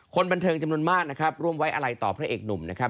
คนบันเทิงจำนวนมากนะครับร่วมไว้อะไรต่อพระเอกหนุ่มนะครับ